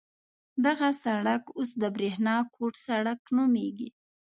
دغه سړک اوس د برېښنا کوټ سړک نومېږي.